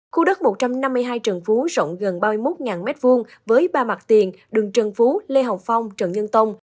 khu đất một trăm năm mươi hai trần phú rộng gần ba mươi một m hai với ba mặt tiền đường trần phú lê hồng phong trần nhân tông